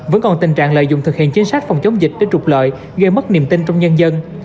vẫn còn tình trạng lợi dụng thực hiện chính sách phòng chống dịch để trục lợi gây mất niềm tin trong nhân dân